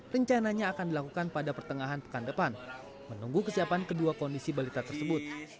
rencananya akan dilakukan pada pertengahan pekan depan menunggu kesiapan kedua kondisi balita tersebut